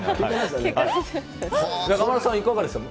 中丸さんはいかがですか？